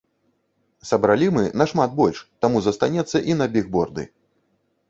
Сабралі мы нашмат больш, таму застанецца і на бігборды.